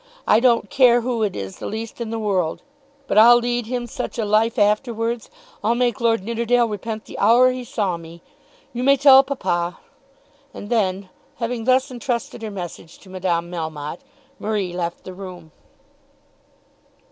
I don't care who it is the least in the world. But I'll lead him such a life afterwards! I'll make Lord Nidderdale repent the hour he saw me! You may tell papa." And then, having thus entrusted her message to Madame Melmotte, Marie left the room.